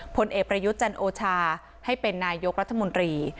ผลเอกประยุทธ์จันโอชาให้เป็นนายกรัฐมนตรี